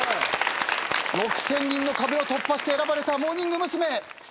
６，０００人の壁を突破して選ばれたモーニング娘。